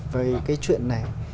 về cái chuyện này